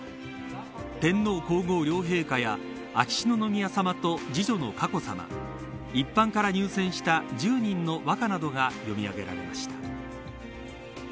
天皇皇后両陛下や秋篠宮さまと次女の佳子さま一般から入選した１０人の和歌などが詠みあげられました。